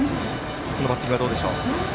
このバッティングはどうでしょう。